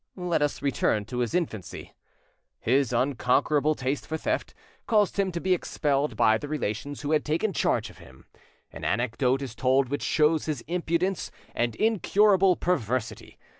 Let us return to his infancy. His unconquerable taste for theft caused him to be expelled by the relations who had taken charge of him. An anecdote is told which shows his impudence and incurable perversity.